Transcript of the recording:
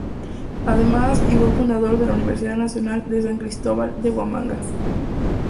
Además, y fue fundador de la Universidad Nacional de San Cristóbal de Huamanga.